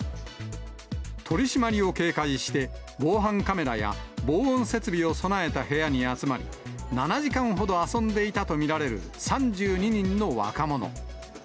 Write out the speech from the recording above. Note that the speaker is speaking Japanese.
取締りを警戒して、防犯カメラや防音設備を備えた部屋に集まり、７時間ほど遊んでいたと見られる３２人の若者。